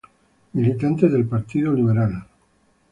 Militante del Partido Liberal.